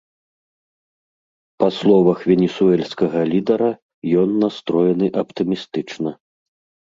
Па словах венесуэльскага лідара, ён настроены аптымістычна.